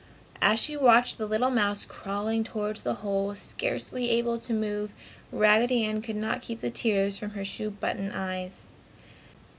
As she watched the little mouse crawling towards the hole scarcely able to move, Raggedy Ann could not keep the tears from her shoe button eyes.